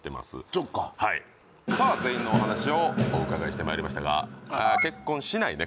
そっかはいさあ全員のお話をお伺いしてまいりましたが結婚しないね